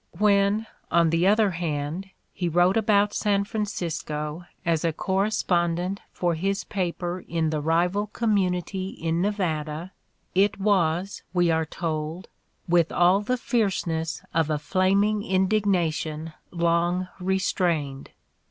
When, on the other hand, he wrote about San Francisco as a correspondent for his paper in the rival community in Nevada, it was, we are told, "with all the fierceness of a flaming indignation long restrained."